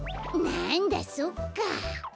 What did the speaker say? なんだそっか。